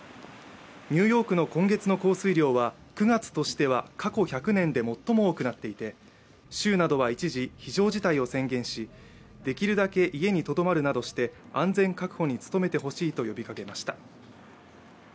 ニューヨークの今月の降水量は９月としては過去１００年で最も多くなっていて、州などは一時、非常事態を宣言しできるだけ家にとどまるなどして安全確保に努めてほしいと呼びかけました。